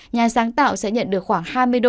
nhà sáng tạo sẽ có thể tạo ra một lượt xem một video